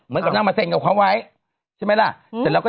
บอกกับนางมาเซ็นกับความไว้ใช่มั้ยล่ะ